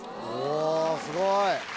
おすごい！